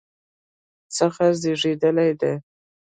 څخه زیږیدلی دی